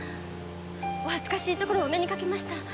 お恥ずかしいところをお目にかけました。